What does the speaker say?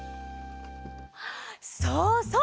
そうそう！